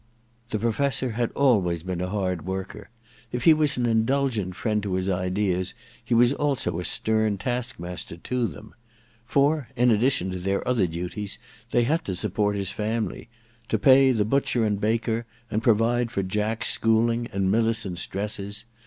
The Professor had always been a hard worker. If he was an indulgent friend to his ideas he was also a stern taskmaster to them. For, in addition to their other duties, they had to support his family : to pay the butcher and baker, and provide for Jack's schooling and Millicent's dresses.